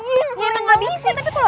iya emang gak bisa tapi kalau ada musuh